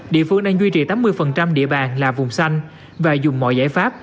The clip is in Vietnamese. địa phương đang duy trì tám mươi địa bàn là vùng xanh và dùng mọi giải pháp